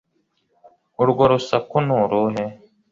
urwo rusaku ni uruhe